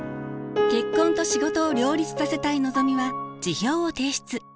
結婚と仕事を両立させたいのぞみは辞表を提出。